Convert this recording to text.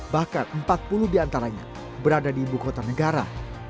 bahkan empat puluh diantaranya berada di ibukota negara